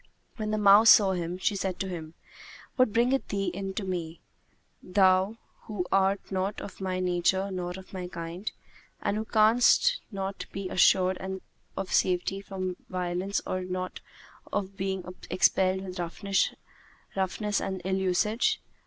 When the mouse saw him, she said to him, "What bringeth thee in to me, thou who art not of my nature nor of my kind, and who canst not be assured of safety from violence or of not being expelled with roughness and ill usage?"